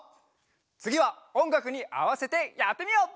つぎはおんがくにあわせてやってみよう！